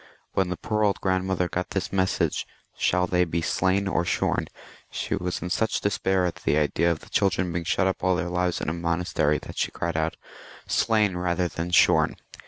When the poor old grandmother got this message, " Shall they be slain or shorn ?" she was in such despair at the idea of the children being shut up all their lives in a monastery, that she cried out, " Slain rather than shorn."